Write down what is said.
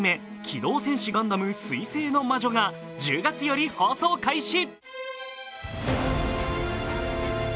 「機動戦士ガンダム水星の魔女」が１０月より放送開始。